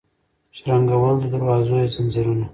شرنګول د دروازو یې ځنځیرونه